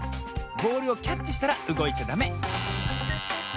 ボールをキャッチしたらうごいちゃダメ。